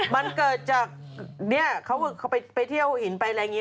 มันเกิดจากเนี่ยเขาไปเที่ยวหินไปอะไรอย่างนี้